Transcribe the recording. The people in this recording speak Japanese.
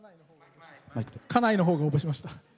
家内のほうが応募しました。